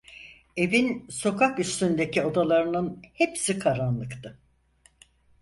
Evin sokak üstündeki odalarının hepsi karanlıktı.